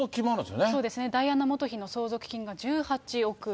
そうですね、ダイアナ元妃の相続金が１８億円。